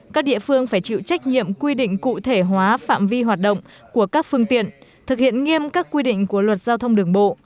các địa phương phải chịu trách nhiệm quy định cụ thể hóa phạm vi hoạt động của các phương tiện thực hiện nghiêm các quy định của luật giao thông đường bộ